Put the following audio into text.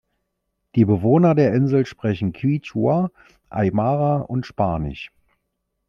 Die Bewohner der Insel sprechen Quechua, Aymara und Spanisch.